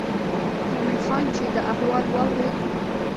مومن خان چې دا احوال واورېد.